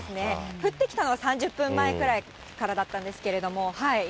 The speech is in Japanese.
降ってきたのは３０分ぐらい前からだったんですけど。